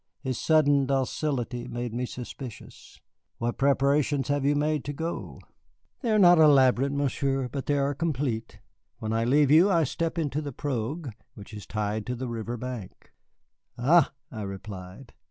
His sudden docility made me suspicious. "What preparations have you made to go?" "They are not elaborate, Monsieur, but they are complete. When I leave you I step into a pirogue which is tied to the river bank." "Ah," I replied.